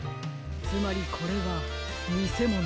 つまりこれはにせもの。